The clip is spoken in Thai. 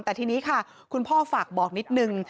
แต่ทีนี้ค่ะคุณพ่อฝากบอกนิดนึง